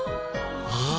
ああ